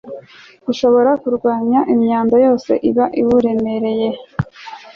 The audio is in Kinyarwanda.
gushobora kurwanya imyanda yose iba iwuremereye